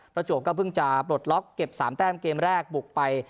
ประจวบก็เพิ่งจะปลดล็อกเก็บ๓แต้มเกมแรกบุกไป